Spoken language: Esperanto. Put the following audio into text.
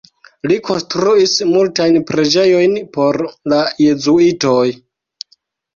Li konstruis multajn preĝejojn por la Jezuitoj.